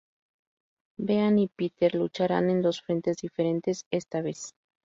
Bean y Peter lucharán en dos frentes diferentes esta vez.